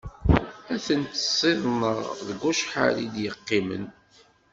Ad ten-siḍnen deg wacḥal i d-yeqqimen.